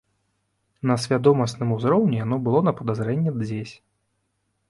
На свядомасным узроўні яно было на падазрэнні дзесь.